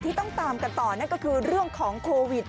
ต้องตามกันต่อนั่นก็คือเรื่องของโควิด